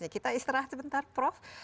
kita istirahat sebentar prof